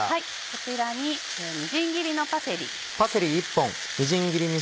こちらにみじん切りのパセリ。